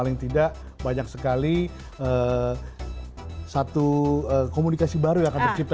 dan tadi bahwa refleksi dari tanggal lagu terakhir ya